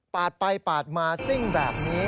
ไปปาดมาซิ่งแบบนี้